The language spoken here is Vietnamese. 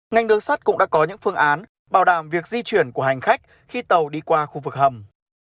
ngành đường sắt cũng đã có những phương án bảo đảm việc di chuyển của hành khách khi tàu đi qua khu vực hầm